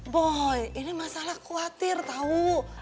boy ini masalah khawatir tahu